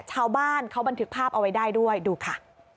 ชาวบ้านเขาบันทึกภาพเอาไว้ได้ด้วยดูค่ะ